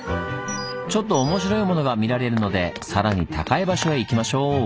ちょっと面白いものが見られるのでさらに高い場所へ行きましょう！